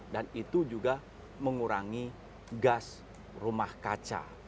dan itu juga mengurangi gas rumah kaca